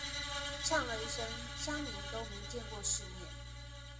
嗆了一聲鄉民都沒見過世面